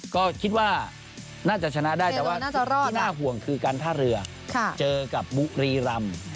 ก็คิดว่าน่าจะชนะได้แต่ว่าที่น่าห่วงคือการท่าเรือเจอกับบุรีรำ